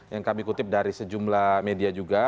yang kami kutip dari sejumlah media juga